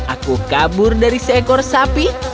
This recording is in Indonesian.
aku kabur dari seekor sapi